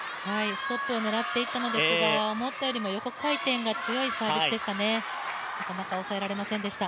ストップを狙っていったんですが、思ったよりも横回転が強いサービスでしたね、なかなか抑えられませんでした。